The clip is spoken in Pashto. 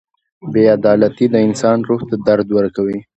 • بې عدالتي د انسان روح ته درد ورکوي.